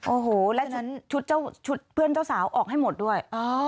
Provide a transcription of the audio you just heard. โอ้โหแล้วชุดเพื่อนเจ้าสาวออกให้หมดด้วย